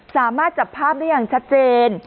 สามารถจับภาพได้อย่างชัดเจน